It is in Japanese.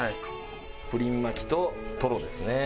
プリン巻きとトロですね。